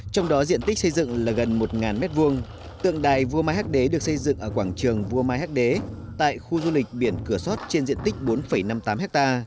trong đó diện tích xây dựng là gần một m hai tượng đài vua mai hắc đế được xây dựng ở quảng trường vua mai hắc đế tại khu du lịch biển cửa sót trên diện tích bốn năm mươi tám ha